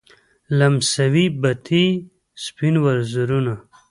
لمسوي بتې سپین وزرونه